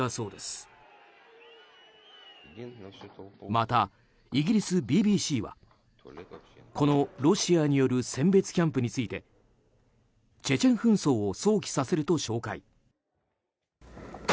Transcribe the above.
また、イギリスＢＢＣはこの、ロシアによる選別キャンプについてチェチェン紛争を想起させると紹介。